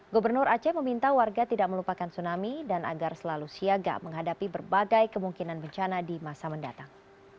gubernur aceh meminta warga tidak melupakan tsunami dan agar selalu siaga menghadapi berbagai kemungkinan bencana di masa mendatang